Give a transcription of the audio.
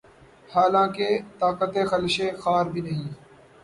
حال آنکہ طاقتِ خلشِ خار بھی نہیں